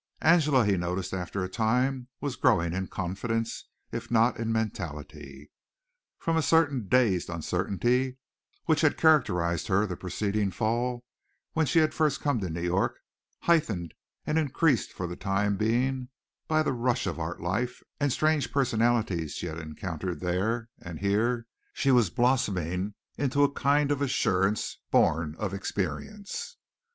Angela, he noticed after a time, was growing in confidence, if not in mentality. From a certain dazed uncertainty which had characterized her the preceding fall when she had first come to New York, heightened and increased for the time being by the rush of art life and strange personalities she had encountered there and here she was blossoming into a kind of assurance born of experience.